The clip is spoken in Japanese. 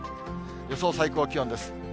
予想最高気温です。